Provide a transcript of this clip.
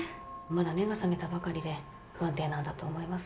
まだ目が覚めたばかりで不安定なんだと思います。